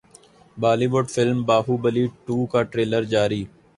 Bali would film Baahubali two کا ٹریلر جاری